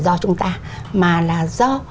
do chúng ta mà là do